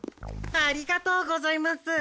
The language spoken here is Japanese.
ありがとうございます。